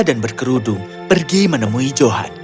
dan berkerudung pergi menemui johan